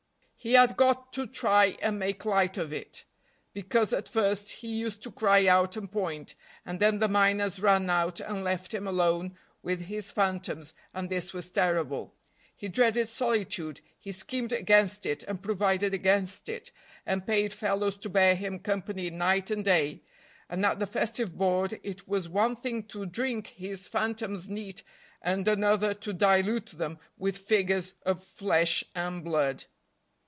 He had got to try and make light of it, because at first he used to cry out and point, and then the miners ran out and left him alone with his phantoms, and this was terrible. He dreaded solitude; he schemed against it, and provided against it, and paid fellows to bear him company night and day, and at the festive board it was one thing to drink his phantoms neat and another to dilute them with figures of flesh and blood.